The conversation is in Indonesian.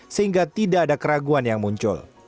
sehingga tidak ada keraguan yang muncul